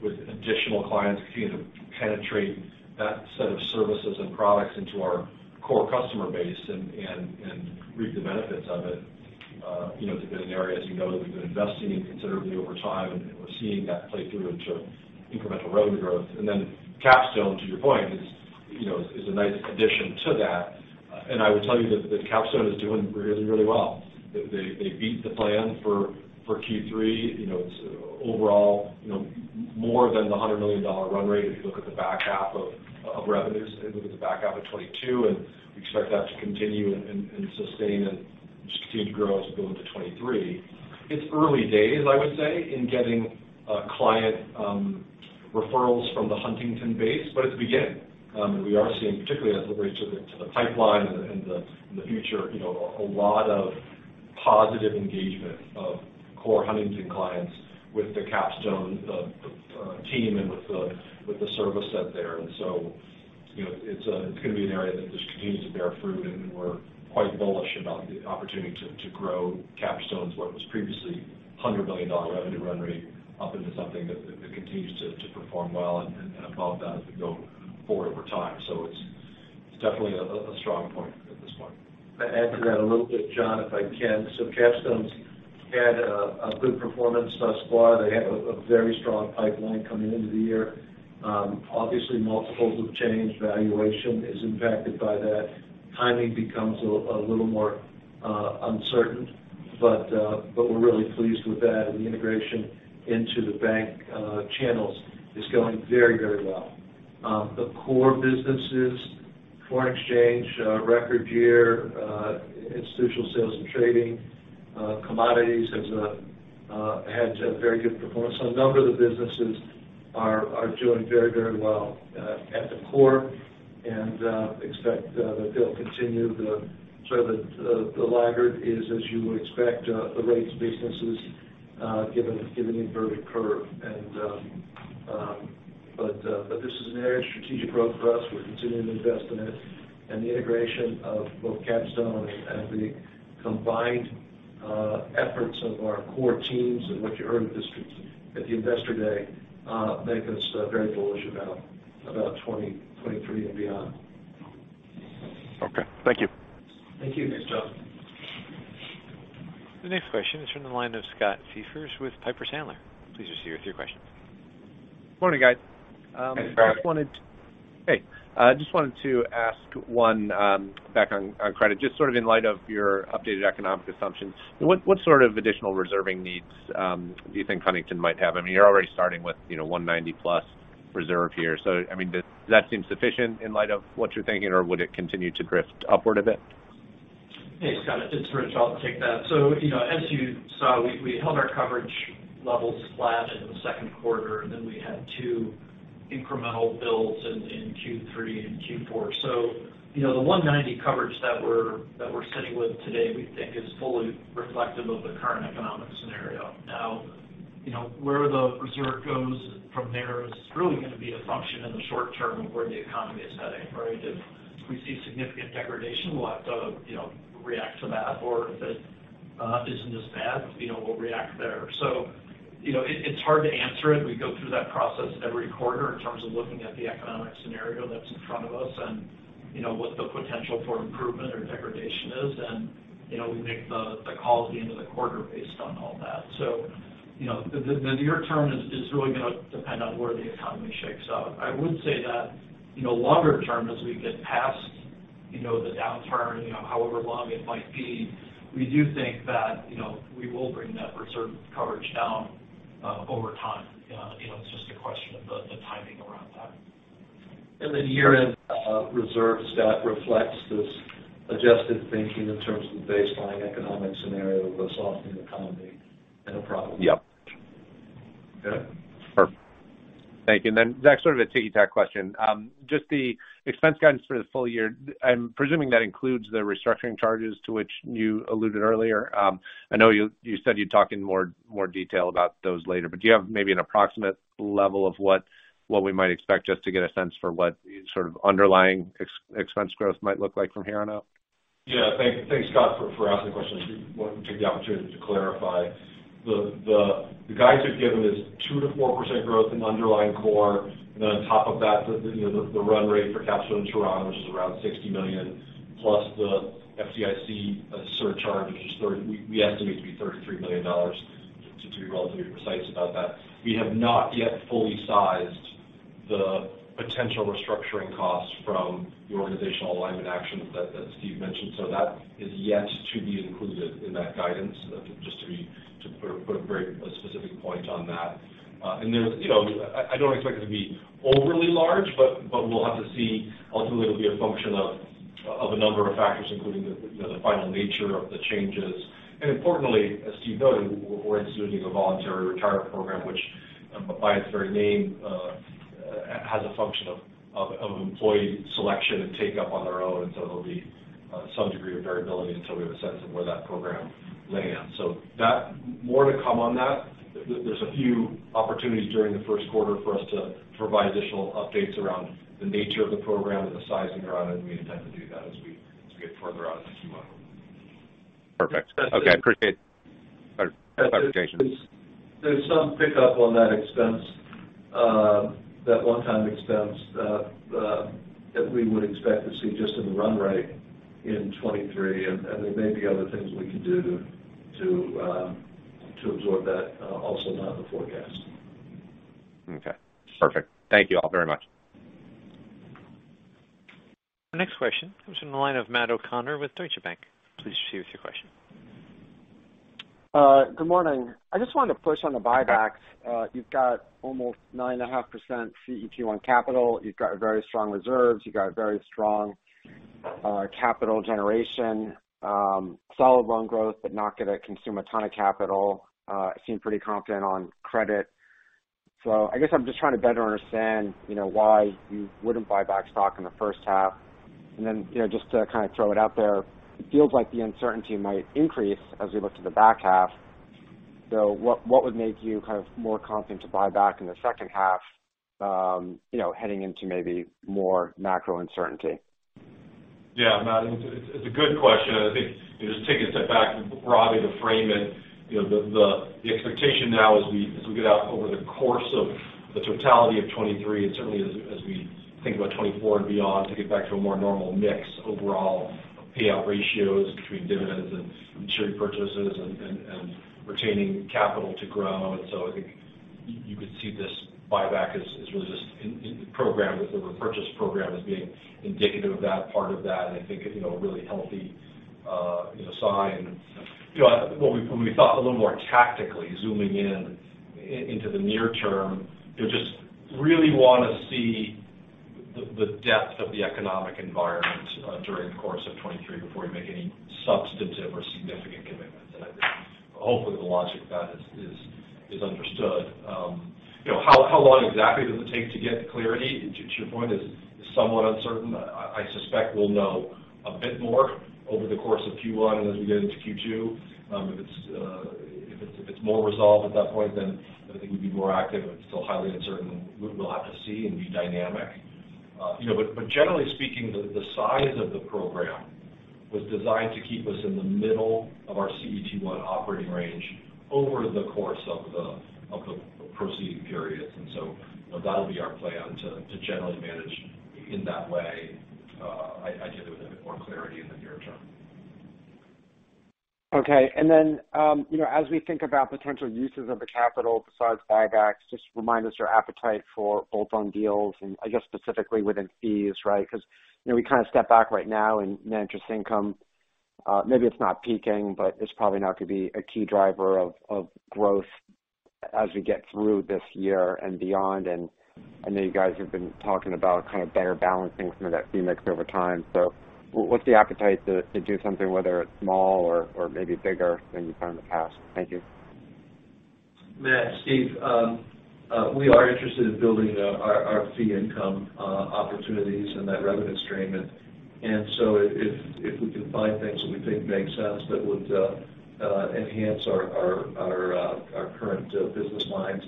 with additional clients, continue to penetrate that set of services and products into our core customer base and reap the benefits of it. You know, it's been an area, as you know, that we've been investing in considerably over time, and we're seeing that play through into incremental revenue growth. Capstone, to your point, is, you know, is a nice addition to that. I would tell you that Capstone is doing really, really well. They beat the plan for Q3. You know, it's overall, you know, more than the $100 million run rate if you look at the back half of revenues and look at the back half of 2022, and we expect that to continue and sustain and just continue to grow as we go into 2023. It's early days, I would say, in getting client referrals from the Huntington base, but it's beginning. We are seeing, particularly as it relates to the pipeline and the future, you know, a lot of positive engagement of core Huntington clients with the Capstone team and with the service set there. You know, it's going to be an area that just continues to bear fruit, and we're quite bullish about the opportunity to grow Capstone to what was previously $100 million revenue run rate up into something that continues to perform well and above that as we go forward over time. It's definitely a strong point at this point. To add to that a little bit, Jon, if I can. Capstone's had a good performance thus far. They have a very strong pipeline coming into the year. Obviously, multiples have changed. Valuation is impacted by that. Timing becomes a little more uncertain. We're really pleased with that, and the integration into the bank channels is going very well. The core businesses, foreign exchange, record year, institutional sales and trading, commodities has had a very good performance. A number of the businesses are doing very well at the core and expect that they'll continue. The laggard is, as you would expect, the rates businesses. Given the inverted curve. This is a very strategic road for us. We're continuing to invest in it. The integration of both Capstone and the combined efforts of our core teams and what you heard at the Investor Day make us very bullish about 2023 and beyond. Okay. Thank you. Thanks, Jon. The next question is from the line of Scott Siefers with Piper Sandler. Please receive your question. Morning, guys. Hey, Scott. Hey. I just wanted to ask one, back on credit, just sort of in light of your updated economic assumptions. What sort of additional reserving needs do you think Huntington might have? I mean, you're already starting with, you know, $190+ million reserve here. I mean, does that seem sufficient in light of what you're thinking, or would it continue to drift upward a bit? Hey, Scott. It's Rich. I'll take that. As you saw, we held our coverage levels flat in the second quarter, and then we had two incremental builds in Q3 and Q4. The $190 million coverage that we're sitting with today, we think is fully reflective of the current economic scenario. Now, you know, where the reserve goes from there is really gonna be a function in the short term of where the economy is heading, right? If we see significant degradation, we'll have to, you know, react to that. If it isn't as bad, you know, we'll react there. You know, it's hard to answer it. We go through that process every quarter in terms of looking at the economic scenario that's in front of us and, you know, what the potential for improvement or degradation is. You know, we make the call at the end of the quarter based on all that. You know, the near term is really gonna depend on where the economy shakes out. I would say that, you know, longer term as we get past, you know, the downturn, you know, however long it might be. We do think that, you know, we will bring that reserve coverage down over time. You know, it's just a question of the timing around that. The year-end reserve, Scott, reflects this adjusted thinking in terms of the baseline economic scenario with a softening economy and a problem. Yep. Okay? Perfect. Thank you. Then, Zach, sort of a ticky-tack question. Just the expense guidance for the full year, I'm presuming that includes the restructuring charges to which you alluded earlier. I know you said you'd talk in more detail about those later, but do you have maybe an approximate level of what we might expect just to get a sense for what sort of underlying expense growth might look like from here on out? Yeah. Thanks, Scott, for asking the question. I do want to take the opportunity to clarify. The guidance we've given is 2%-4% growth in underlying core. On top of that, the, you know, the run rate for Capstone and Torana is around $60 million plus the FDIC surcharge, which we estimate to be $33 million, to be relatively precise about that. We have not yet fully sized the potential restructuring costs from the organizational alignment actions that Steve mentioned. That is yet to be included in that guidance, just to put a very specific point on that. There's, you know, I don't expect it to be overly large, but we'll have to see. Ultimately, it'll be a function of a number of factors, including the, you know, the final nature of the changes. Importantly, as Steve noted, we're instituting a voluntary retirement program, which by its very name, has a function of employee selection and take-up on their own. There'll be some degree of variability until we have a sense of where that program will lay down. More to come on that. There's a few opportunities during the first quarter for us to provide additional updates around the nature of the program and the sizing around it, and we intend to do that as we get further out into the model. Perfect. Okay. I appreciate your clarifications. There's some pickup on that expense, that one-time expense that we would expect to see just in the run rate in 2023, and there may be other things we can do to absorb that, also not in the forecast. Okay. Perfect. Thank you all very much. The next question comes from the line of Matt O'Connor with Deutsche Bank. Please proceed with your question. Good morning. I just wanted to push on the buybacks. You've got almost 9.5% CET1 capital. You've got very strong reserves. You've got very strong capital generation. Solid loan growth, but not gonna consume a ton of capital. Seem pretty confident on credit. I guess I'm just trying to better understand, you know, why you wouldn't buy back stock in the first half. Then, you know, just to kind of throw it out there, it feels like the uncertainty might increase as we look to the back half. What, what would make you kind of more confident to buy back in the second half, you know, heading into maybe more macro uncertainty? Yeah, Matt, it's a good question. I think just take a step back broadly to frame it. You know, the, the expectation now as we, as we get out over the course of the totality of 2023 and certainly as we think about 2024 and beyond to get back to a more normal mix overall of payout ratios between dividends and share purchases and, and retaining capital to grow. So I think you could see this buyback as really just in program with the repurchase program as being indicative of that part of that. I think, you know, a really healthy, you know, sign. You know, when we thought a little more tactically zooming in, into the near term, you know, just really wanna see the depth of the economic environment during the course of 2023 before we make any substantive or significant commitments. I think, hopefully, the logic of that is understood. You know, how long exactly does it take to get clarity? To, to your point is somewhat uncertain. I suspect we'll know a bit more over the course of Q1 and as we get into Q2. If it's, if it's more resolved at that point, then I think we'd be more active. If it's still highly uncertain, we'll have to see and be dynamic. You know, but generally speaking, the size of the program was designed to keep us in the middle of our CET1 operating range over the course of the, of the proceeding periods. You know, that'll be our plan to generally manage in that way, ideally with a bit more clarity in the near term. Okay. You know, as we think about potential uses of the capital besides buybacks, just remind us your appetite for bolt-on deals and I guess specifically within fees, right? You know, we kind of step back right now and net interest income, maybe it's not peaking, but it's probably not going to be a key driver of growth as we get through this year and beyond. I know you guys have been talking about kind of better balancing some of that fee mix over time. What's the appetite to do something, whether it's small or maybe bigger than you've done in the past? Thank you. Matt, Steve. We are interested in building our fee income opportunities and that revenue stream. If we can find things that we think make sense that would enhance our current business lines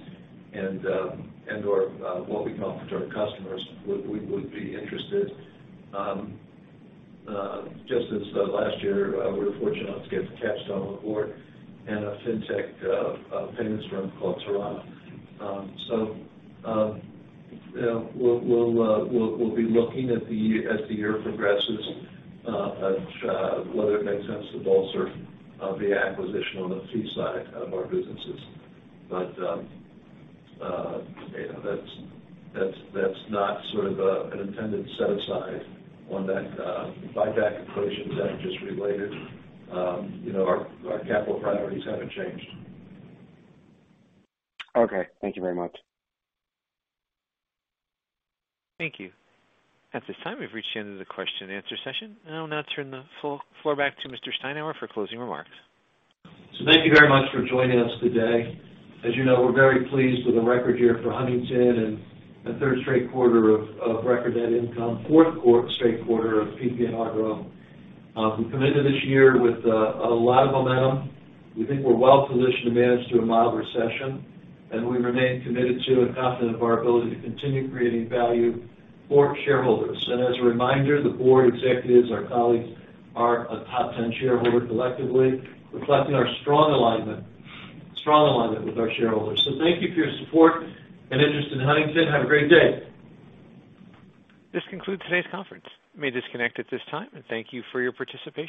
and/or what we can offer to our customers, we would be interested. Just as last year, we were fortunate enough to get Capstone on board and a fintech payments firm called Torana. You know, we'll we'll be looking at the as the year progresses at whether it makes sense to bolster the acquisition on the fee side of our businesses. You know, that's not sort of an intended set aside on that buyback equation that are just related. You know, our capital priorities haven't changed. Okay. Thank you very much. Thank you. At this time, we've reached the end of the question and answer session. I'll now turn the floor back to Mr. Steinour for closing remarks. Thank you very much for joining us today. As you know, we're very pleased with the record year for Huntington and a third straight quarter of record net income, fourth straight quarter of PPNR growth. We come into this year with a lot of momentum. We think we're well-positioned to manage through a mild recession, and we remain committed to and confident of our ability to continue creating value for shareholders. As a reminder, the Board executives, our colleagues are a top 10 shareholder collectively, reflecting our strong alignment with our shareholders. Thank you for your support and interest in Huntington. Have a great day. This concludes today's conference. You may disconnect at this time. Thank you for your participation.